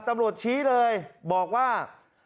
ตำรวจชี้เลยบอกว่า